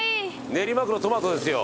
練馬区のトマトですよ。